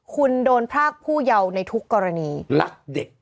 คุณโดนพรากผู้เยาว์ในทุกกรณีรักเด็ก